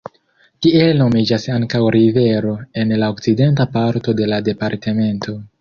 Tiel nomiĝas ankaŭ rivero en la okcidenta parto de la departemento.